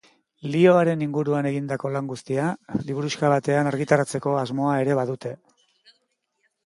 Lihoaren inguruan egindako lan guztia liburuxka batean argitaratzeko asmoa ere badute.